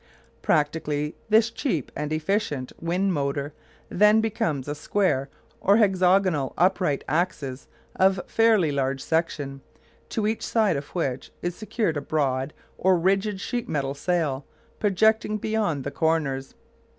Practically this cheap and efficient wind motor then becomes a square or hexagonal upright axis of fairly large section, to each side of which is secured a board or a rigid sheet metal sail projecting beyond the corners.